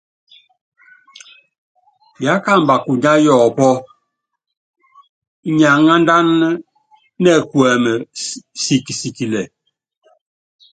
Yákamba kunya yɔpɔ́, inyi anándána nɛkuɛmɛ sikikisikilɛ.